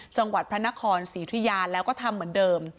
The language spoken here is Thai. จังหวัดพระนครศรีธุยาแล้วก็ทำเหมือนเดิม